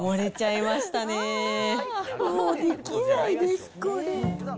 もうできないです、これ。